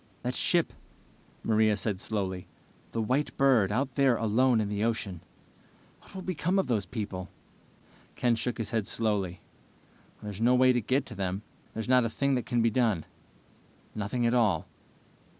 "That ship ..." Maria said slowly. "The White Bird, out there alone in the ocean what will become of all those people?" Ken shook his head slowly. "There's no way to get to them. There's not a thing that can be done. Nothing at all."